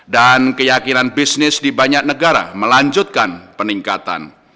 dan bisnis di banyak negara melanjutkan peningkatan